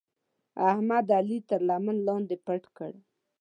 احمد؛ علي تر لمن لاندې پټ کړ.